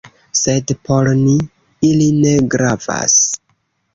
Sed por ni, ili ne gravas.